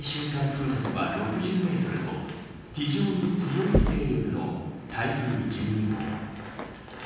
風速は６０メートルと非常に強い勢力の台風１２号。